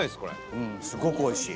東山：すごくおいしい。